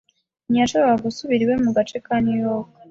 Ntiyashoboraga gusubira iwe mu gace ka New York.